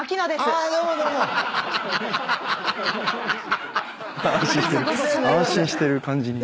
安心してる感じに。